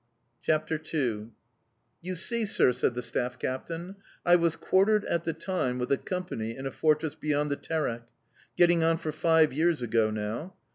CHAPTER II "YOU see, sir," said the staff captain, "I was quartered, at the time, with a company in a fortress beyond the Terek getting on for five years ago now.